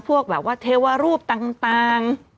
พวกแบบว่าเทวรูปต่าง